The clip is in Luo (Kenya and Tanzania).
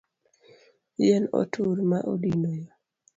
Yien otur ma odino yoo